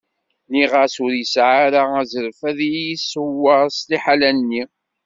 Nniɣ-as ur yesɛi ara azref ad iyi-iṣewwer s liḥala-nni.